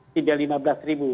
tidak lima belas ribu